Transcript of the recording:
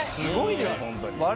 すごいです本当に。